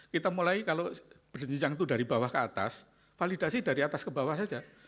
kita mulai kalau berjenjang itu dari bawah ke atas validasi dari atas ke bawah saja